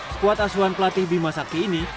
skuad asuhan pelatih bima sakti ini